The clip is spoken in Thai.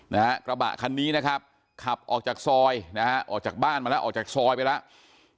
กระบะคันนี้นะครับขับออกจากซอยนะฮะออกจากบ้านมาแล้วออกจากซอยไปแล้ว